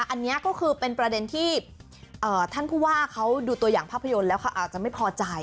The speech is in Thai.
อันนี้ก็คือเป็นประเด็นที่ท่านผู้ว่าเขาดูตัวอย่างภาพยนตร์แล้วเขาอาจจะไม่พอใจ